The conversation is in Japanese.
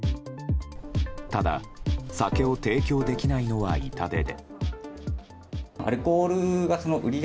ただ、酒を提供できないのは痛手で。